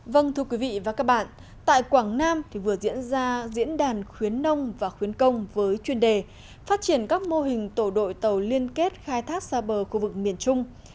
vâng thưa quý vị và các bạn tại quảng nam vừa diễn ra diễn đàn khuyến nông và khuyến công với chuyên đề phát triển các mô hình tổ đội tàu liên kết khai thác xa bờ khu vực miền trung